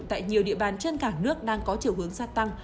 tại nhiều địa bàn trên cả nước đang có chiều hướng gia tăng